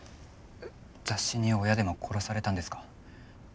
雑誌に親でも殺されたんですか？